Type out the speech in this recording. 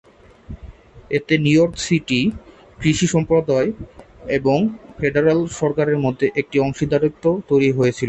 এতে New York city, কৃষি সম্প্রদায় এবং ফেডারাল সরকারের মধ্যে একটি অংশীদারত্ব তৈরি হয়েছিল।